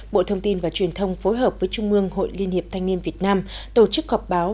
bộ thông tin và truyền thông phối hợp với trung mương hội liên hiệp thanh niên việt nam tổ chức họp báo